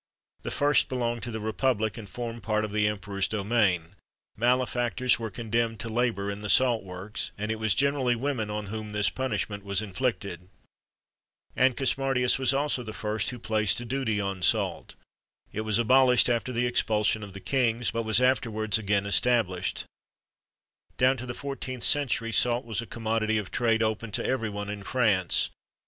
The first belonged to the republic, and formed part of the emperor's domain; malefactors were condemned to labour in the salt works, and it was generally women on whom this punishment was inflicted.[XXIII 11] Ancus Martius was also the first who placed a duty on salt. It was abolished after the expulsion of the Kings, but was afterwards again established. Down to the 14th century salt was a commodity of trade open to every one in France.